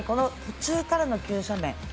途中からの急斜面。